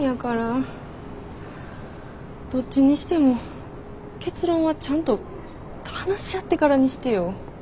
どっちにしても結論はちゃんと話し合ってからにしてよ。